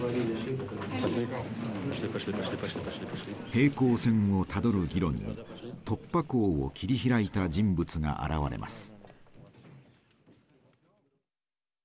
平行線をたどる議論に突破口を切り開いた人物が現れます。